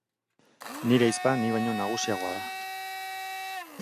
Nire ahizpa ni baino nagusiagoa da